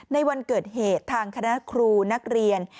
ในวันเกิดเหตุทางคณะครูนักเรียน